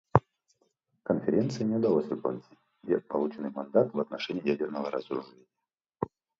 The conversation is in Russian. Конференции не удалось выполнить полученный мандат в отношении ядерного разоружения.